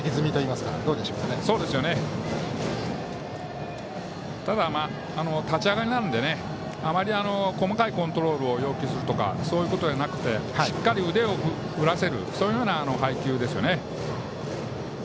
まだ立ち上がりなのであまり細かいコントロールを要求するとかそういうことじゃなくてしっかり腕を振らせるそういうような配球ですね。